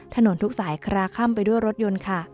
ถนนทุกสายคลาค่ำไปด้วยรถยนต์ค่ะ